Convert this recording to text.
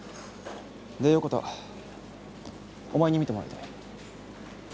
横田、お前に見てもらいたい。